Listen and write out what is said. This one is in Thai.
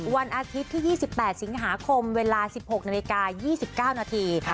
วันอาทิตย์ที่๒๘สิงหาคมเวลา๑๖นาฬิกา๒๙นาที